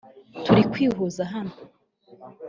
turi kwihuza hano